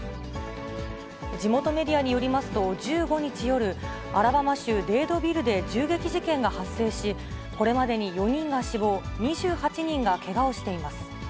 地元メディアによりますと、１５日夜、アラバマ州デードビルで銃撃事件が発生し、これまでに４人が死亡、２８人がけがをしています。